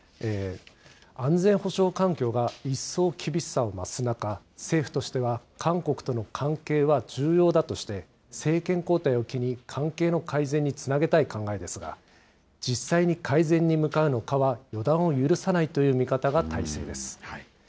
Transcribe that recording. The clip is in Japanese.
安全保障環境が一層厳しさを増す中、政府としては韓国との関係は重要だとして、政権交代を機に、関係の改善につなげたい考えですが、実際に改善に向かうのかは予断を許さないという見方が大勢です。